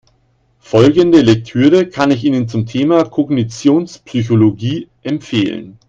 Folgende Lektüre kann ich Ihnen zum Thema Kognitionspsychologie empfehlen.